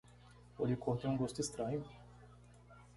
O licor tem um gosto estranho.